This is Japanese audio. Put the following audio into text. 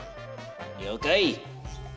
了解！